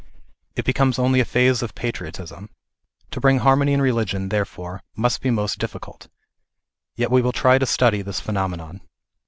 It becomes only a phase of patriot ism. To bring harmony in religion, therefore, must be most difficult. Yet we will try to study this phenomenon.